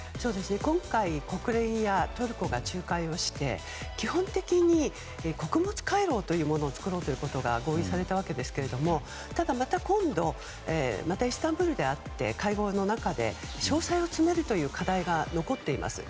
今回国連やトルコが仲介をして基本的に穀物回廊というものを作ろうということが合意されたわけですがただ、また今度イスタンブールであって会合の中で詳細を詰めるという課題が残っています。